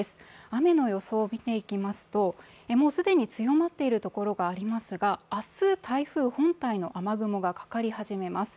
雨の予想を見ていきますと、もう既に強まっているところがありますが、明日、台風本体の雨雲がかかり始めます。